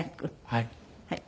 はい。